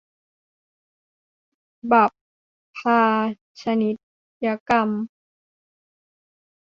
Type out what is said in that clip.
บัพพาชนียกรรม